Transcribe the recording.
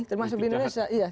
termasuk di indonesia